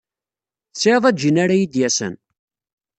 Tesɛid ajean ara iyi-d-yasen?